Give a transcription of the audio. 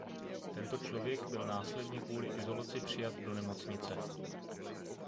Tento člověk byl následně kvůli izolaci přijat do nemocnice.